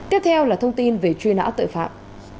tiếp theo là thông tin về truy nã tội phạm